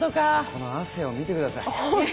この汗を見て下さい。